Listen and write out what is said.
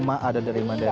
rumah adat dari mandeling